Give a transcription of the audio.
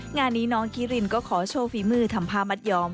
งานนี้น้องคิรินก็ขอโชว์ฝีมือทำผ้ามัดยอม